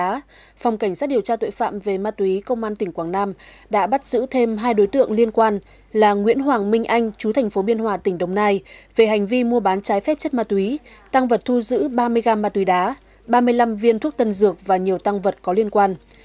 trong đó phòng cảnh sát điều tra tội phạm về ma túy công an tỉnh quảng nam đã bắt giữ thêm hai đối tượng liên quan là nguyễn hoàng minh anh chú thành phố biên hòa tỉnh đồng nai về hành vi mua bán trái phép chất ma túy tăng vật thu giữ ba mươi gam ma túy đá ba mươi năm viên thuốc tân dược và nhiều tăng vật có liên quan